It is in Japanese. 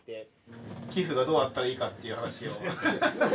寄付がどうあったらいいかっていう話を。